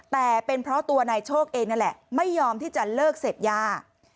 แต่เป็นเพราะตัวนายโชคเองนั่นแหละไม่ยอมที่จะเลิกเสพยา